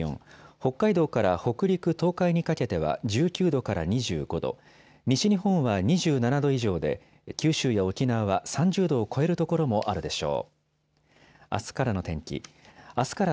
北海道から北陸、東海にかけては１９度から２５度、西日本は２７度以上で九州や沖縄は３０度を超える所もあるでしょう。